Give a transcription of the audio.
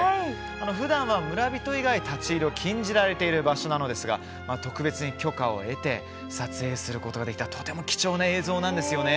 ふだんは村人以外立ち入りを禁じられている場所なのですが特別に許可を得て撮影することができた貴重な映像なんです。